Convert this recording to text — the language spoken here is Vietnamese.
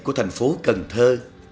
của thành phố cần thơ